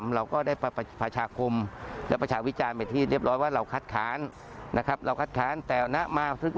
เราก็เลยต้องมาสอบมาถามกับองค์การมหาส่วนตำรงอ้อ